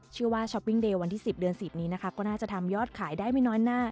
ชื่อว่าวันที่สิบเดือนสิบนี้นะคะก็น่าจะทำยอดขายได้ไม่น้อยหน้า